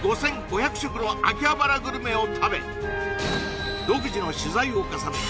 食の秋葉原グルメを食べ独自の取材を重ね